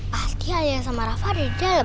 pasti ada yang sama rafa ada di dalam